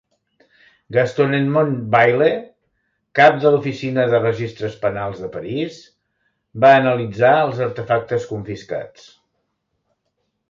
Gaston-Edmond Bayle, cap de l'Oficina de Registres Penals de París, va analitzar els artefactes confiscats.